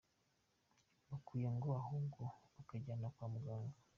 Bakwiye ngo ahubwo kubajyana kwa muganga.